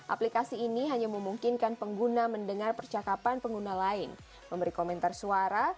aplikasi ini hanya memungkinkan pengguna mendengar percakapan pengguna lain memberi komentar suara